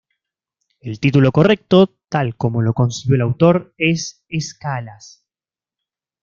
El título correcto, tal como lo concibió el autor, es Escalas.